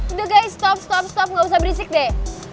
udah guys stop stop stop gak usah berisik deh